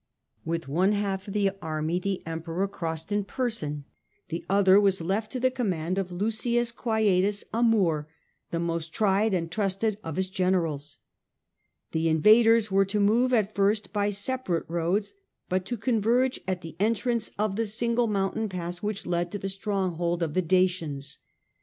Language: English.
With one half of the army the Emperor crossed in person, the other was left to the command of Lusius Quietus, a Moor, the most tried and trusted of his generals. The invaders were to move at first by separate roads, but to converge at the entrance of the single mountain pass which led to the stronghold of the Dacians.